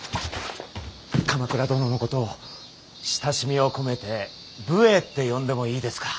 鎌倉殿のことを親しみを込めて武衛って呼んでもいいですか。